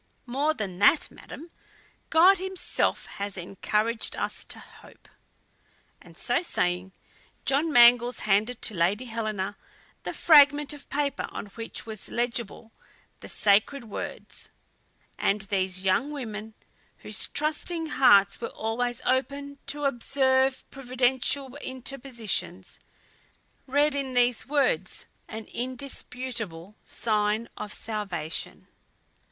"More than that, madam, God himself has encouraged us to hope." And so saying, John Mangles handed to Lady Helena the fragment of paper on which was legible the sacred words; and these young women, whose trusting hearts were always open to observe Providential interpositions, read in these words an indisputable sign of salvation.